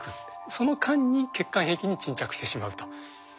その間に血管壁に沈着してしまうと。